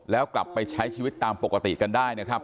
แล้วกลับไปใช้ชีวิตตามปกติกันได้นะครับ